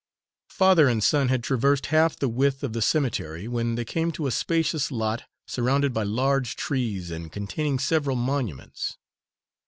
Father and son had traversed half the width of the cemetery, when they came to a spacious lot, surrounded by large trees and containing several monuments.